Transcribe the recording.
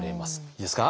いいですか？